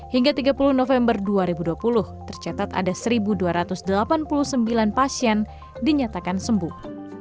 hingga tiga puluh november dua ribu dua puluh tercatat ada satu dua ratus delapan puluh sembilan pasien dinyatakan sembuh